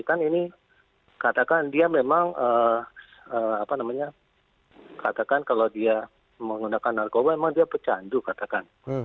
kan ini katakan dia memang apa namanya katakan kalau dia menggunakan narkoba memang dia pecandu katakan